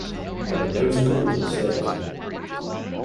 There are no schools in Surbiton.